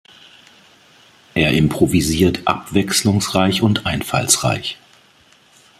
Er improvisiert abwechslungsreich und einfallsreich.